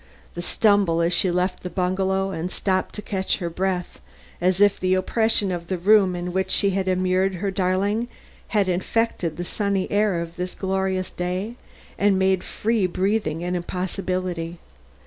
She stumbled as she left the bungalow and stopped to catch her breath as if the oppression of the room in which she had immured her darling had infected the sunny air of this glorious day and made free breathing an impossibility.